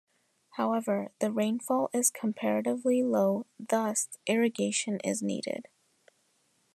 However the rainfall is comparatively low, thus irrigation is needed.